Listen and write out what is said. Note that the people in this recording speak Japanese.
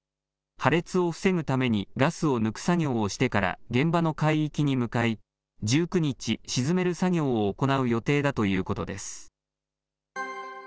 破裂を防ぐためにガスを抜く作業をしてから現場の海域に向かい、１９日、沈める作業を行う予定だということです。